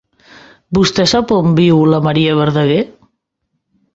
Vostè sap on viu la Maria Verdaguer?